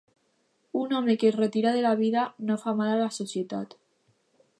Un home que es retira de la vida no fa mal a la societat.